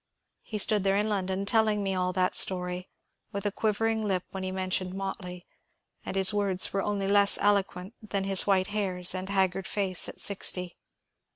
He stood there in London, telling me all that story, — with a quivering lip when he mentioned Motley, — and his words were only less eloquent than his white hairs and haggard face at sixty.